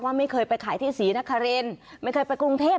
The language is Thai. ไม่เคยไปขายที่ศรีนครินไม่เคยไปกรุงเทพ